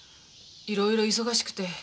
いろいろ忙しくて。